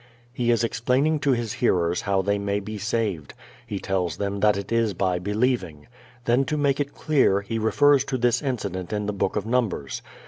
He is explaining to His hearers how they may be saved. He tells them that it is by believing. Then to make it clear He refers to this incident in the Book of Numbers.